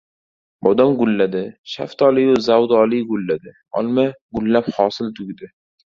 Bodom gulladi, shaftoliyu zardoli gulladi, olma gullab hosil tugdi